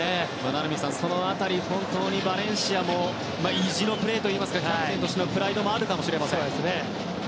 名波さん、その辺り本当にバレンシアも意地のプレーというかキャプテンとしてのプライドもあるかもしれません。